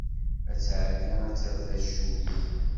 Ad tɛeddi ad terr tacuyt.